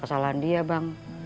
kesalahan dia bang